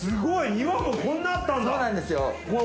庭もこんなあったんだ。